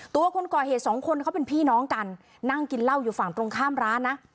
คนก่อเหตุสองคนเขาเป็นพี่น้องกันนั่งกินเหล้าอยู่ฝั่งตรงข้ามร้านนะ